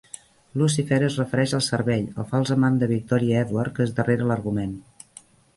"Lucifer" es refereix al cervell, el fals amant de Victoria Edward, que és darrere l"argument.